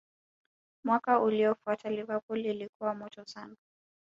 mwaka uliofuata Liverpool ilikuwa moto sana